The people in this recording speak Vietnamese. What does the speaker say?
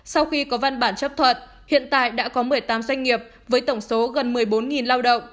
sau khi có văn bản chấp thuận hiện tại đã có một mươi tám doanh nghiệp với tổng số gần một mươi bốn lao động